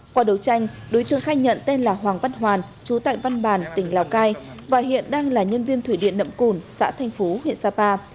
qua đấu tranh đối tượng khai nhận tên là hoàng văn hoàn chú tại văn bàn tỉnh lào cai và hiện đang là nhân viên thủy điện nậm cùn xã thanh phú huyện sapa